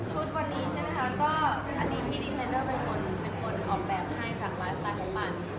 ชุดวันนี้ใช่ไหมคะก็อันนี้พี่ดิเซนเดอร์เป็นคนออมแบบให้จากร้านตาลโมมัน